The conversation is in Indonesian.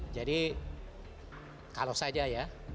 jadi kalau saja ya